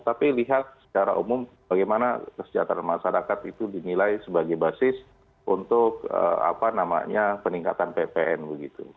tapi lihat secara umum bagaimana kesejahteraan masyarakat itu dinilai sebagai basis untuk peningkatan ppn begitu